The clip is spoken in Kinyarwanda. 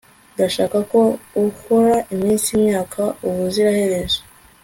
ndashaka ko uhora iminsi, imyaka, ubuziraherezo